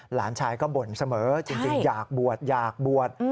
หลานชายก็บ่นเสมอจริงอยากบวชอยากบวช